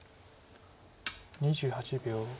２８秒。